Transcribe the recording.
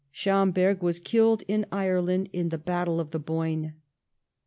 Schomberg was killed in Ireland at the battle of the Boyne.